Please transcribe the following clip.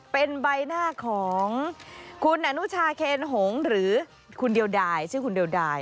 เป็นใบหน้าของคุณอนุชาเคนหงหรือคุณเดียวดายชื่อคุณเดียวดาย